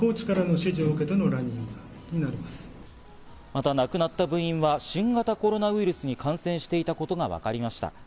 また亡くなった部員は新型コロナウイルスに感染していたことがわかりました。